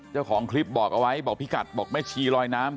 เจ้าของคลิปบอกเอาไว้บอกพี่กัดบอกแม่ชีลอยน้ำ